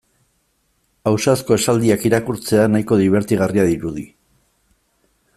Ausazko esaldiak irakurtzea nahiko dibertigarria dirudi.